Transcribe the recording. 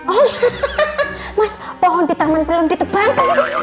oh mas pohon di taman belum ditebang